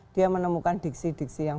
dia menemukan diksi diksi yang